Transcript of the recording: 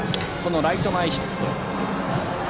ライト前ヒット。